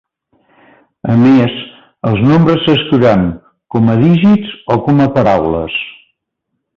A més, els nombres s'escriuran com a dígits o com a paraules?